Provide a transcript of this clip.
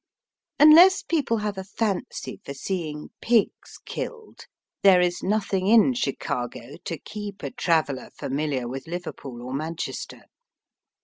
Unless people have a fancy for seeing pigs killed, there is nothing in Chicago to keep a traveller familiar with Liverpool or Man chester.